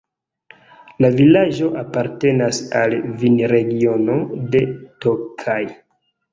La vilaĝo apartenas al vinregiono de Tokaj.